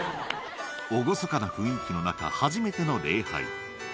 厳かな雰囲気の中、初めての礼拝。